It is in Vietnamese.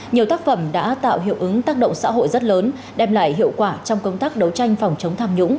nhiều tác phẩm đã tạo hiệu ứng tác động xã hội rất lớn đem lại hiệu quả trong công tác đấu tranh phòng chống tham nhũng